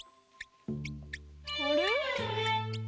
あれ？